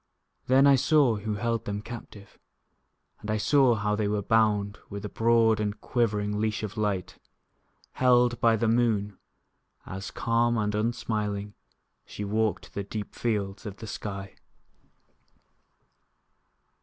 Then I saw who held them captive; And I saw how they were bound With a broad and quivering leash of light, Held by the moon, As, calm and unsmiling, She walked the deep fields of the sky.